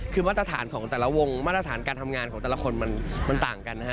คือมาตรฐานของแต่ละวงมาตรฐานการทำงานของแต่ละคนมันต่างกันนะฮะ